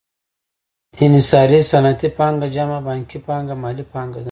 انحصاري صنعتي پانګه جمع بانکي پانګه مالي پانګه ده